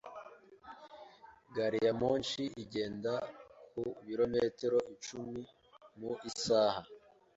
Gariyamoshi igenda ku bilometero icumi mu isaha.